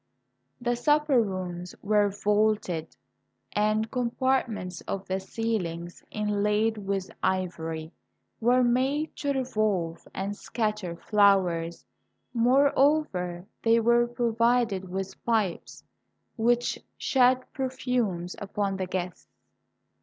The supper rooms were vaulted, and compartments of the ceilings, inlaid with ivory, were made to revolve and scatter flowers; moreover they were provided with pipes which shed perfumes upon the guests.